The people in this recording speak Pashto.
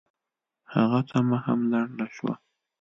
هغه تمه هم لنډه شوه.